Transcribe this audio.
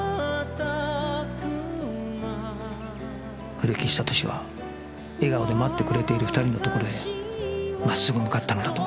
古木久俊は笑顔で待ってくれている２人のところへ真っすぐ向かったのだと